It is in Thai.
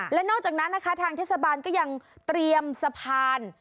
และนอกจากนั้นนะคะทางเทศบาลก็ยังเตรียมสะพาน